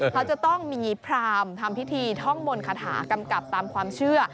เขาจะต้องมีพรามทำพิธีท่องมนต์คาถากำกับตามความเชื่อ